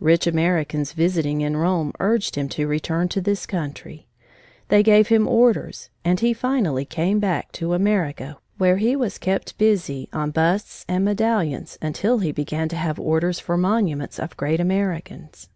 Rich Americans visiting in Rome urged him to return to this country. They gave him orders, and he finally came back to America, where he was kept busy on busts and medallions until he began to have orders for monuments of great Americans.